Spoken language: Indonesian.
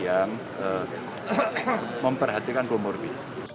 yang memperhatikan komorbi